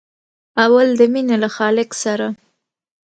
اول د مینې له خالق سره.